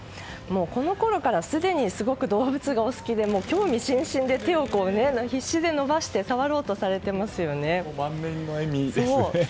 このころからすでに動物がお好きで興味津々で手を必死で伸ばして満面の笑みですね。